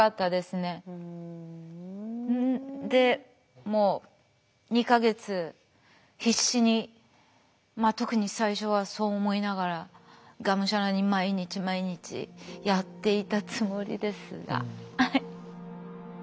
でもう２か月必死にまあ特に最初はそう思いながらがむしゃらに毎日毎日やっていたつもりですが。